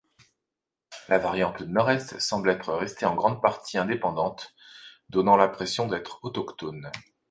La variante nord-est semble être restée en grande partie indépendante, donnant l'impression d'être autochtone.